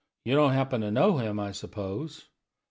You don't happen to know him, I suppose?"